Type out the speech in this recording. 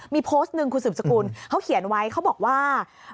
มีโพสต์หนึ่งคุณสืบสกุลเขาเขียนไว้เขาบอกว่า